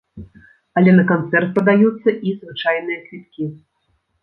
Але на канцэрт прадаюцца і звычайныя квіткі.